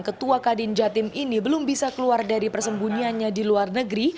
ketua kadin jatim ini belum bisa keluar dari persembunyiannya di luar negeri